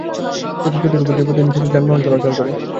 সেতু দুটির ওপর দিয়ে প্রতিদিন প্রচুর যানবাহন চলাচল করে।